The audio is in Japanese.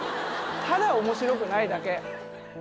ただ面白くないだけ。